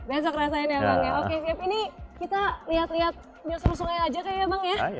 besok rasain ya bang ya